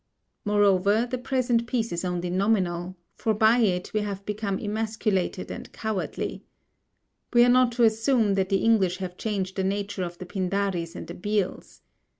Moreover, the present peace is only nominal, for by it we have become emasculated and cowardly. We are not to assume that the English have changed the nature of the Pindaris and the Bhils.